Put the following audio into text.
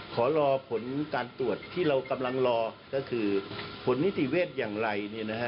ขอรอผลการตรวจที่เรากำลังรอก็คือผลนิติเวชอย่างไร